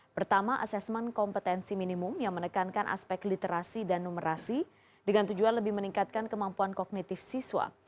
pertama asesmen kompetensi minimum yang menekankan aspek literasi dan numerasi dengan tujuan lebih meningkatkan kemampuan kognitif siswa